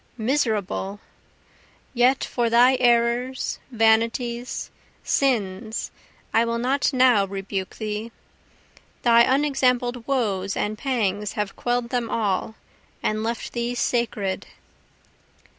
Miserable! yet for thy errors, vanities, sins, I will not now rebuke thee, Thy unexampled woes and pangs have quell'd them all, And left thee sacred.